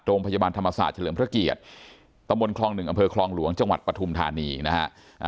โรงพยาบาลธรรมศาสตร์เฉลิมพระเกียรติตำบลคลองหนึ่งอำเภอคลองหลวงจังหวัดปฐุมธานีนะฮะ